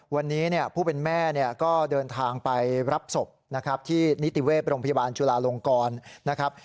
วันนี้ผู้เป็นแม่เนี่ยก็เดินทางไปรับศพนะครับที่นิติเวศโรงพยาบาลจุลาลงกรนะครับ